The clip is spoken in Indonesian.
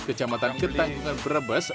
kecamatan ketanggungan brebes